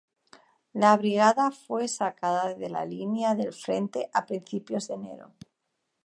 La brigada fue sacada de la línea del frente a principios de enero.